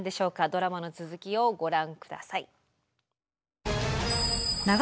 ドラマの続きをご覧ください。